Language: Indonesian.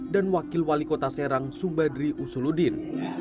dan wakil wali kota serang subadri usuludin